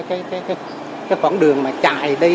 bà con sẽ dỡn bớt cái khoảng đường mà chạy đi